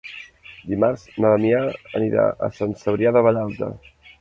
Dimarts na Damià anirà a Sant Cebrià de Vallalta.